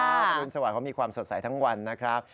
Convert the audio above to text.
อรุณสวัสดิเขามีความสดใสทั้งวันนะครับ